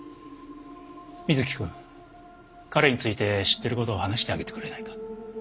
ミズキ君彼について知ってることを話してあげてくれないか？